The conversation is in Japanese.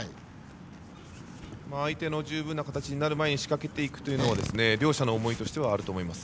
相手の十分な形になる前に仕掛けていくというのは両者の思いとしてあると思います。